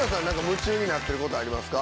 夢中になってることありますか？